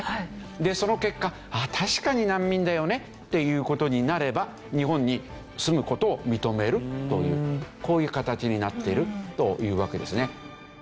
でその結果「確かに難民だよね」っていう事になれば日本に住む事を認めるというこういう形になってるというわけですね。